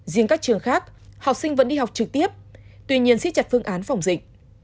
riêng các trường khác học sinh vẫn đi học trực tiếp tuy nhiên xích chặt phương án phòng dịch